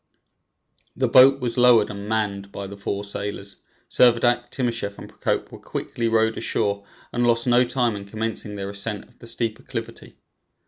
The boat was lowered and manned by the four sailors; Servadac, Timascheff and Procope were quickly rowed ashore, and lost no time in commencing their ascent of the steep acclivity.